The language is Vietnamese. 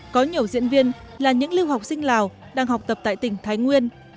có nhiều diễn viên là những lưu học sinh lào đang học tập tại tỉnh thái nguyên